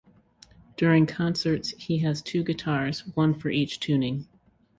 During concerts, he has two guitars - one for each tuning.